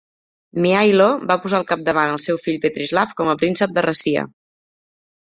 Mihailo va posar al capdavant al seu fill Petrislav com a príncep de Rascia.